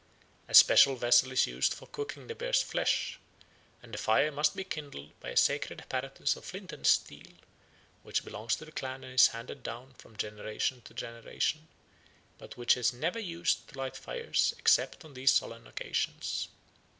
A special vessel is used for cooking the bear's flesh, and the fire must be kindled by a sacred apparatus of flint and steel, which belongs to the clan and is handed down from generation to generation, but which is never used to light fires except on these solemn occasions.